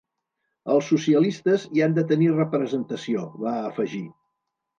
Els socialistes hi han de tenir representació, va afegir.